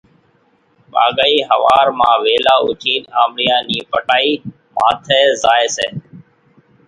ٻاگھائِي ۿوار مان ويلا اوٺينَ آنٻڙِيئان نِي پٽائِي ماٿيَ زائيَ سي۔